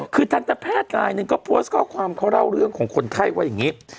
คือทันตแพทย์รายหนึ่งก็โพสต์ข้อความเขาเล่าเรื่องของคนไข้ว่าอย่างนี้